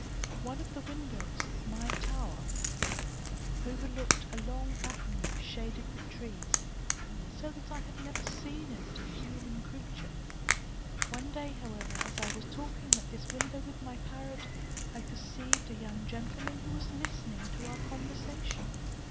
One of the windows of my tower overlooked a long avenue shaded with trees, so that I had never seen in it a human creature. One day, however, as I was talking at this window with my parrot, I perceived a young gentleman who was listening to our conversation.